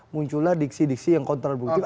muncullah diksi diksi yang kontraproduktif